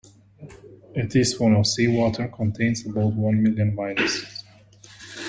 A teaspoon of seawater contains about one million viruses.